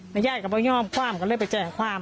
มัยย่ายก็ประยอบความก็เลยไปแจ่งความ